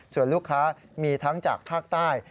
ส่วนลูกค้ามีทั้งจากภาคใต้